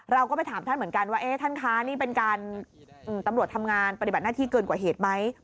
เราก็ไปถามท่านเหมือนกันว่าท่านคะนี่เป็นการตำรวจทำงานปฏิบัติหน้าที่เกินกว่าเหตุไหม